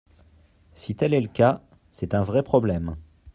Si tel est le cas, c’est un vrai problème.